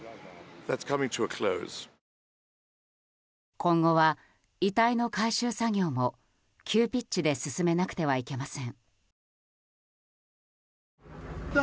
今後は、遺体の回収作業も急ピッチで進めなくてはいけません。